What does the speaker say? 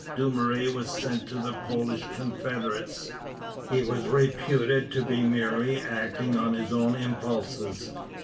Dumouriez was sent to the Polish confederates. He was reputed to be merely acting on his own impulses.